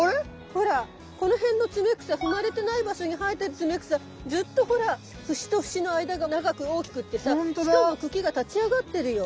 ほらこの辺のツメクサ踏まれてない場所に生えてるツメクサずっとほら節と節の間が長く大きくってさしかも茎が立ち上がってるよ。